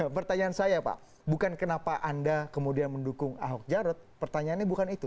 pertanyaan saya pak bukan kenapa anda kemudian mendukung ahok jarot pertanyaannya bukan itu